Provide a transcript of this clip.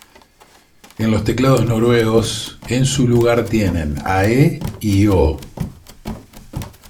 En los teclados noruegos, en su lugar, tienen Æ y Ø.